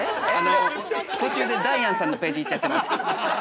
途中でダイアンさんのページ行っちゃってます。